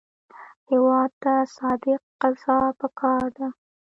هېواد ته صادق قضا پکار ده